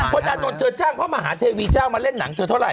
พอดันดนท์เธอจ้างเขามาหาเทวีเจ้ามาเล่นหนังเธอเท่าไรอ่ะ